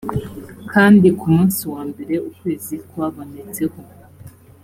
kandi ku munsi wa mbere ukwezi kwabonetseho